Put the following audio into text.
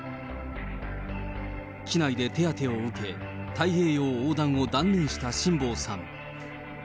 機内で手当てを受け、太平洋横断を断念した辛坊さん。